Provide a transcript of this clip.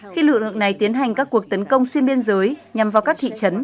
khi lực lượng này tiến hành các cuộc tấn công xuyên biên giới nhằm vào các thị trấn